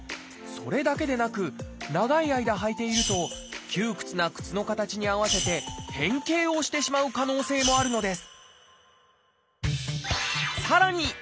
それだけでなく長い間履いていると窮屈な靴の形に合わせて変形をしてしまう可能性もあるのですさらに